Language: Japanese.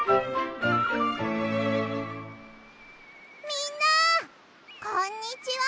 みんなこんにちは！